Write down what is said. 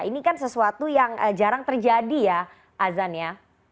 ini kan sesuatu yang jarang terjadi ya azan ya